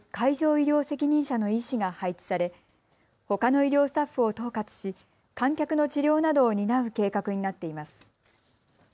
医療責任者の医師が配置されほかの医療スタッフを統括し観客の治療などを担う計画になっています。